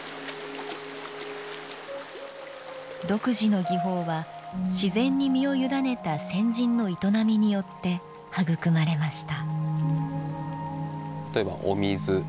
独自の技法は、自然に身をゆだねた先人の営みによって育まれました。